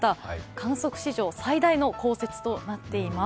観測史上最大の降雪となっています。